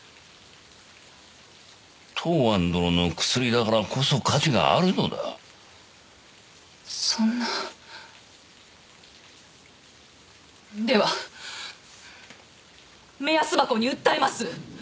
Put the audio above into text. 東庵殿の薬だからこそ価値があるのだそんなでは目安箱に訴えます